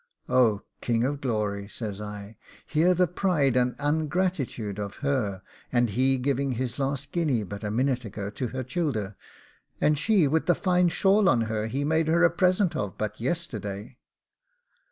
Oh! King of Glory!' says I, 'hear the pride and ungratitude of her, and he giving his last guineas but a minute ago to her childer, and she with the fine shawl on her he made her a present of but yesterday!